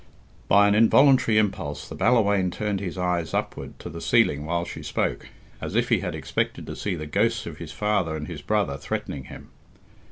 By an involuntary impulse the Ballawhaine turned his eyes upward to the ceiling while she spoke, as if he had expected to see the ghosts of his father and his brother threatening him.